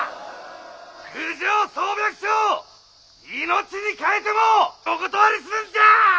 郡上総百姓命に代えてもお断りするんじゃあ！